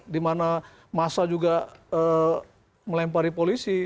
dimana massa juga melempari polisi